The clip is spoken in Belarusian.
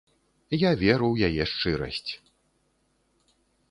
Я веру ў яе шчырасць.